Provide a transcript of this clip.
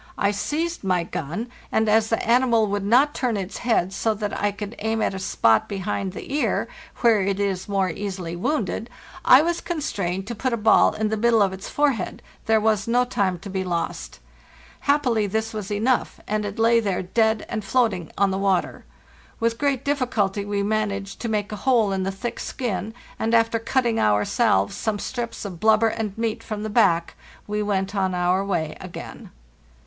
I seized my gun, and as the 348 FARTHEST NORTH animal would not turn its head so that I could aim at a spot behind the ear, where it is more easily wounded, I was constrained to put a ball in the middle of its fore head; there was no time to be lost. Happily this was enough, and it lay there dead and floating on the water. With great difficulty we managed to make a hole in the thick skin, and after cutting ourselves some strips of blubber and meat from the back we went on our way again.